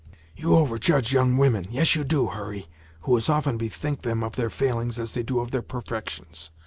"You over judge young women yes, you do, Hurry who as often bethink them of their failings as they do of their perfections.